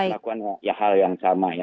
melakukan hal yang sama ya